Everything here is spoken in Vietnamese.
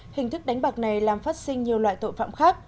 hình thức đánh bạc này làm phát sinh nhiều loại tội phạm khác